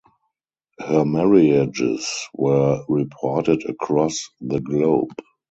Her marriages were reported across the globe.